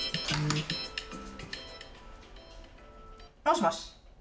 もしもし。